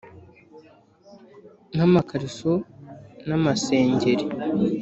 nk’amakariso n’amasengeri